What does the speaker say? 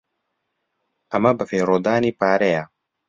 ئەمە بەفیڕۆدانی پارەیە.